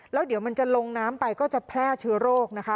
แล้วเดี๋ยวมันจะลงน้ำไปก็จะแพร่เชื้อโรคนะคะ